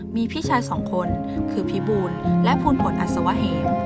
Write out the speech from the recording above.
มีพี่ชายสองคนคือพี่บูลและภูลผลอัศวะเหม